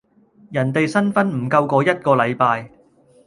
人哋新婚唔夠嗰一個禮拜